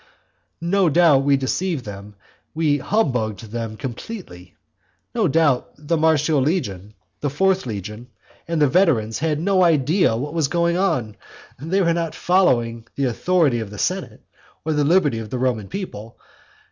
No doubt we deceived them; we humbugged them completely! no doubt the Martial legion, the fourth legion, and the veterans had no idea what was going on! They were not following the authority of the senate, or the liberty of the Roman people.